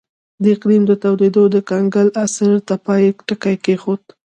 د اقلیم تودېدو د کنګل عصر ته پای ټکی کېښود.